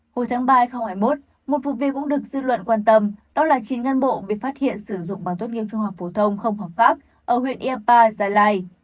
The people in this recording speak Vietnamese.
hồi tháng ba hai nghìn hai mươi một một vụ việc cũng được dư luận quan tâm đó là chín ngăn bộ bị phát hiện sử dụng bằng tốt nghiệp trung học phổ thông không hợp pháp ở huyện yapa gia lai